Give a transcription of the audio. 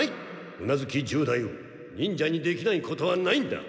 宇奈月十太夫忍者にできないことはないんだ！